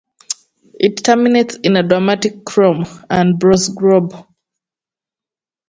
It terminates in a dramatic chrome and brass globe.